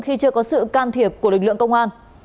khi chưa có sự can thiệp của lực lượng công an